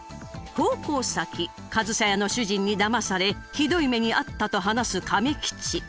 奉公先上総屋の主人にだまされひどい目に遭ったと話す亀吉。